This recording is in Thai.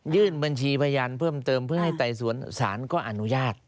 บัญชีพยานเพิ่มเติมเพื่อให้ไต่สวนศาลก็อนุญาต